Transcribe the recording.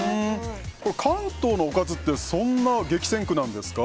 関東のおかずってそんな激戦区なんですか？